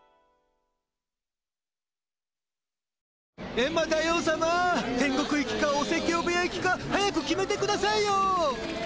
エンマ大王さま天国行きかお説教部屋行きか早く決めてくださいよ。